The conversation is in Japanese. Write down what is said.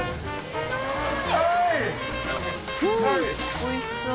おいしそう。